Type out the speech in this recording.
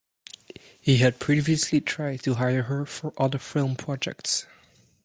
He had previously tried to hire her for other film projects.